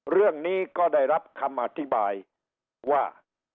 เรื่องนี้ก็ได้รับคำอธิบายว่า